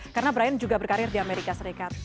karena brian juga berkarir di amerika serikat